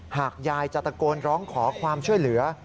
หากยายจะตะโกนร้องขอความช่วยเหลือ